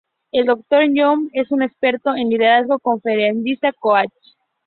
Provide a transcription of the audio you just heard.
El Dr. John C. Maxwell es un experto en Liderazgo, conferencista, coach.